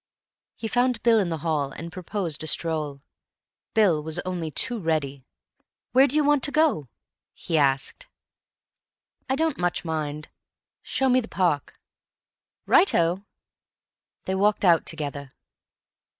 He found Bill in the hall and proposed a stroll. Bill was only too ready. "Where do you want to go?" he asked. "I don't mind much. Show me the park." "Righto." They walked out together.